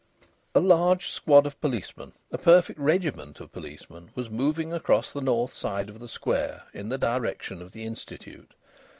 A large squad of policemen, a perfect regiment of policemen, was moving across the north side of the square in the direction of the Institute.